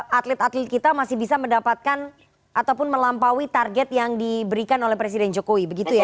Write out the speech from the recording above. kurangnya fair play tadi atlet atlet kita masih bisa mendapatkan ataupun melampaui target yang diberikan oleh presiden jokowi